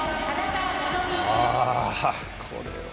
あー、これは。